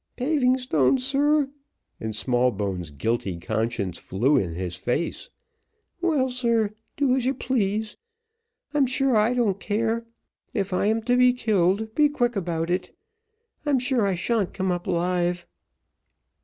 "Paving stones, sir!" and Smallbones' guilty conscience flew in his face. "Well, sir, do as you please, I'm sure I don't care; if I am to be killed, be quick about it I'm sure I sha'n't come up alive."